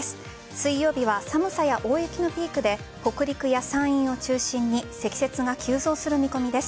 水曜日は寒さや大雪のピークで北陸や山陰を中心に積雪が急増する見込みです。